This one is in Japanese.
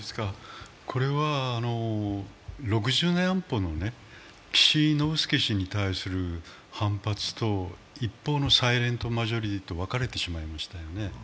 ６０年安保の岸信介氏に対する反発と、反発と一方のサイレントマジョリティーと分かれてしまいましたよね。